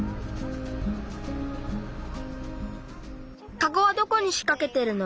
カゴはどこにしかけてるの？